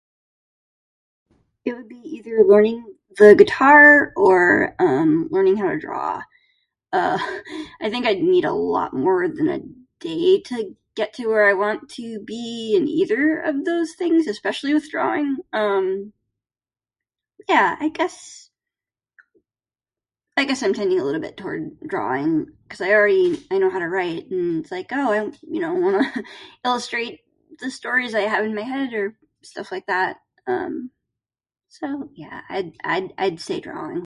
"It would be easier learning the guitar or, um, learning how to draw? Uh, I think I'd need a lot more than a day to get to where I want to be in either of those things, especially with drawing. Um, yeah I guess I guess I'm tending a little bit toward drawing. Cuz I already, I know how to write and it's like, ""Oh, I wanna illustrate the stories I have in my head"" or stuff like that. Um, so yeah, I'd I'd say drawing."